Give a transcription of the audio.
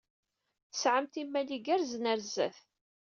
Tesɛamt imal igerrzen ɣer sdat.